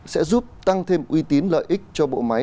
sẽ giúp tăng thêm uy tín lợi ích cho bộ máy